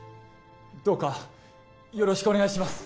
どうかよろしくお願いします！